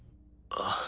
あっ。